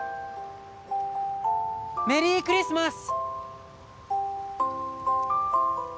メリークリスマス